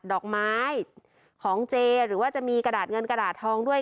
ดอกไม้ของเจหรือว่าจะมีกระดาษเงินกระดาษทองด้วย